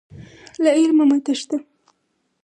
له علمه مه تښته.